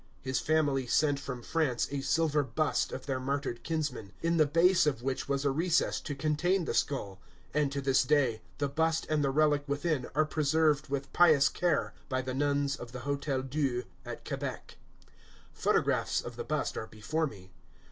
His family sent from France a silver bust of their martyred kinsman, in the base of which was a recess to contain the skull; and, to this day, the bust and the relic within are preserved with pious care by the nuns of the Hôtel Dieu at Quebec. Photographs of the bust are before me.